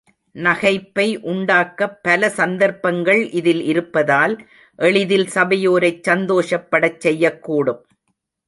நகைப்பை உண்டாக்கத்தக்க பல சந்தர்ப்பங்கள் இதில் இருப்பதால், எளிதில் சபையோரைச் சந்தோஷப்படச் செய்யக்கூடும்.